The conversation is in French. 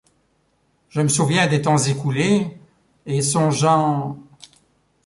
Je me souviens des temps écoulés, et songeant